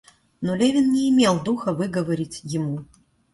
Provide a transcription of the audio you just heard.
Но Левин не имел духа выговорить ему.